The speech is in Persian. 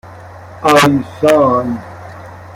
آیسان